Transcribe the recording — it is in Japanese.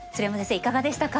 いかがでしたか？